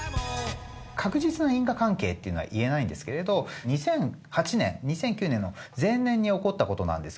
確実な因果関係っていうのは言えないんですけれど２００８年２００９年の前年に起こった事なんですけれど。